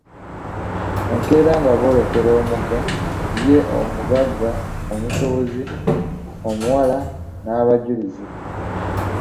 "Enkeera nga boolekera omugga; ye omugagga, omusuubuzi, omuwala n’abajulizi."